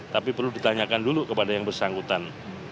tapi perlu ditanyakan dulu kepada yang bersangkutan